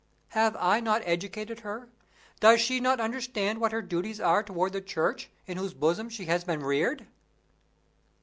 "Have I not educated her? Does she not understand what her duties are toward the Church, in whose bosom she has been reared?"